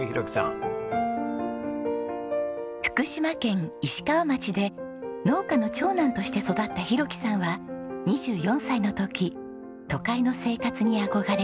福島県石川町で農家の長男として育った浩樹さんは２４歳の時都会の生活に憧れ上京。